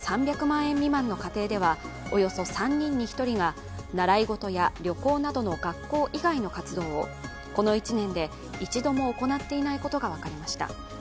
その結果、世帯年収３００万円未満の家庭ではおよそ３人に１人が習い事や旅行などの学校以外の活動をこの１年で一度も行っていないことが分かりました。